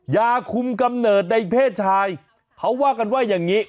ยาคุมกำเนิดในเพศชายเขาว่ากันว่าอย่างนี้